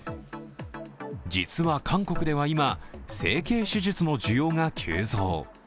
実は韓国では今、整形手術の需要が急増。